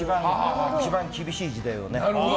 一番厳しい時代をね。